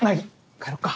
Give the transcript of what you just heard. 帰ろうか。